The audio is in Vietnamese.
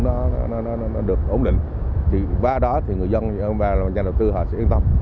nó được ổn định thì qua đó thì người dân và nhà đầu tư họ sẽ yên tâm